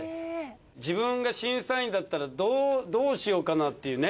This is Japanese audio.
自分が審査員だったらどうしようかなっていうね。